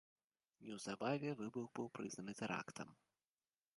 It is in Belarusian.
Неўзабаве выбух быў прызнаны тэрактам.